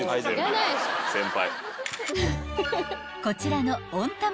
［こちらの］